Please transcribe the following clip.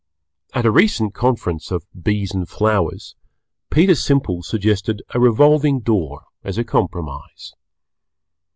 At a recent conference of Bees and Flowers, Peter Simple suggested a Revolving Door as a compromise.